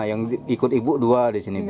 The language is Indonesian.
yang ikut ibu dua di sini bu